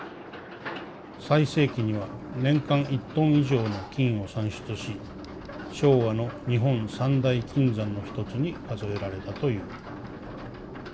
最盛期には年間１トン以上の金を産出し昭和の日本三大金山のひとつに数えられたという」。